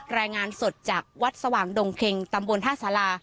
รายงานสดจากวัดสว่างดงเค็งตำบลท่าสารา